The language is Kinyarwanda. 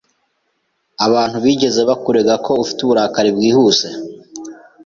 Abantu bigeze bakurega ko ufite uburakari bwihuse?